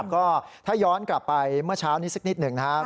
ก็ถ้าย้อนกลับไปเมื่อเช้านี้สักนิดหนึ่งนะครับ